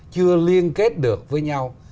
chưa liên kết được với nhau